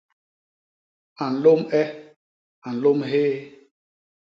A nlôm e; a nlôm hyéé.